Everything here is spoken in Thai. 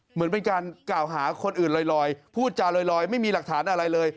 เหมือนเป็นการกล่าวหาคนอื่นลอยพูดจาลอยไม่มีหลักฐานอะไรเลย